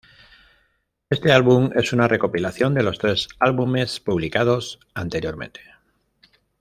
Este álbum es una recopilación de los tres álbumes publicados anteriormente.